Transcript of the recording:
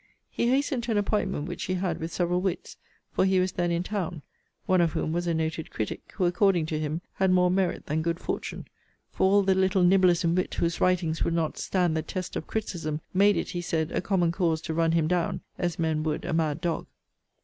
'He hastened to an appointment which he had with several wits, (for he was then in town,) one of whom was a noted critic, who, according to him, had more merit than good fortune; for all the little nibblers in wit, whose writings would not stand the test of criticism, made it, he said, a common cause to run him down, as men would a mad dog.